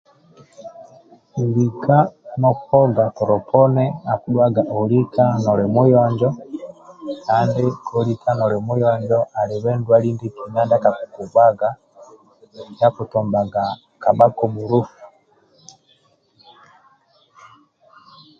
Lika nokuoga tolo poni akidhuaga olika noli muyonjo kandi kolika noli muyonjo ndwali ndietil ndua kakukugbaga ndia akitombaga kabhako mulofu